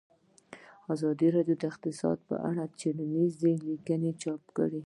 ازادي راډیو د اقتصاد په اړه څېړنیزې لیکنې چاپ کړي.